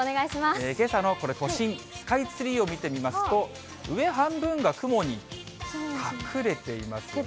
けさのこれ、都心、スカイツリーを見てみますと、上半分が雲に隠れていますね。